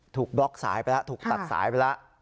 บล็อกสายไปแล้วถูกตัดสายไปแล้ว